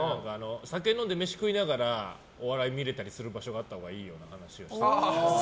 酒飲んで、飯食いながらお笑い見れたりする場所があったらいいよなって。